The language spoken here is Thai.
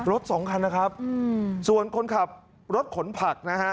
สองคันนะครับส่วนคนขับรถขนผักนะฮะ